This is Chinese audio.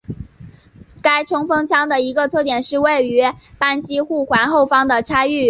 该冲锋枪的一个特点是位于扳机护环后方的拆卸螺栓。